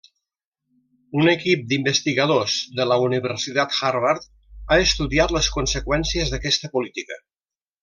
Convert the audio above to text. Un equip d'investigadors de la Universitat Harvard ha estudiat les conseqüències d'aquesta política.